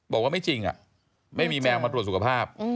บอกว่าไม่จริงไม่มีแมวมาตรวจสุขภาพ